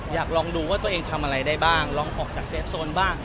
อยากลองดูว่าตัวเองทำอะไรได้บ้างลองออกจากเซฟโซนบ้าง